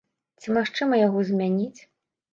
Ці магчыма яго змяніць?